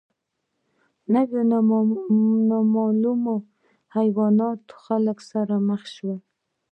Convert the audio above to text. نوي نامعلومه حیوانات له خلکو سره مخ شول.